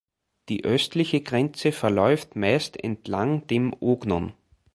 Die östliche Grenze verläuft meist entlang dem Ognon.